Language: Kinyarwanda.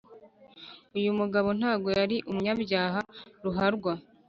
uyu mugabo ntabwo yari umunyabyaha ruharwa;